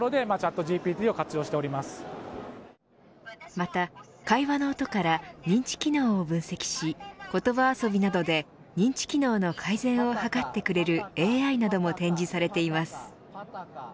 また会話の音から認知機能を分析し言葉遊びなどで認知機能の改善を図ってくれるＡＩなども展示されています。